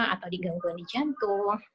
atau di gangguan di jantung